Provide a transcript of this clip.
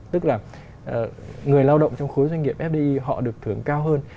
tức là người lao động trong khối doanh nghiệp fdi họ được thưởng cao hơn